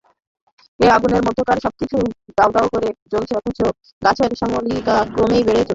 এ আগুনের মধ্যকার সবকিছু দাউ দাউ করে জ্বলছে অথচ গাছের শ্যামলিমা ক্রমেই বেড়ে চলেছিল।